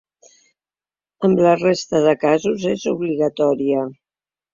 En la resta de casos, és obligatòria.